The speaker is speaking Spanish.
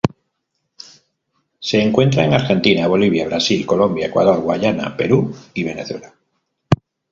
Se encuentra en Argentina, Bolivia, Brasil, Colombia, Ecuador, Guayana, Perú y Venezuela.